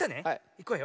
いくわよ。